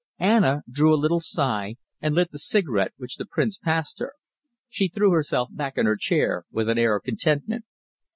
Anna drew a little sigh and lit the cigarette which the Prince passed her. She threw herself back in her chair with an air of contentment.